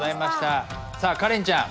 さあカレンちゃん